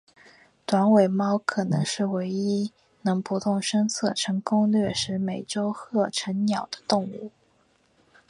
短尾猫可能是唯一能不动声色成功掠食美洲鹤成鸟的动物。